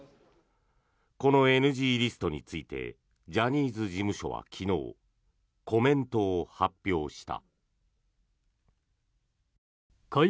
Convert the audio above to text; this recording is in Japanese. このＮＧリストについてジャニーズ事務所は昨日コメントを発表した。